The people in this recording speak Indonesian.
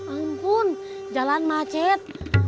ampun jalan macet